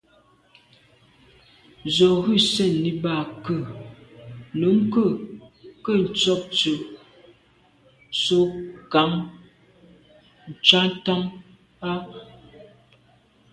Z’o ghù sènni ba ke ? Numk’o ke tsho’ tshe’ so kà ntsha’t’am à.